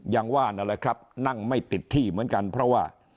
อย่างว่านั่นแหละครับนั่งไม่ติดที่เหมือนกันเพราะว่า